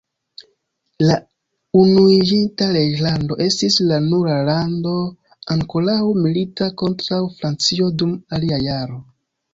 La Unuiĝinta Reĝlando estis la nura lando ankoraŭ milita kontraŭ Francio dum alia jaro.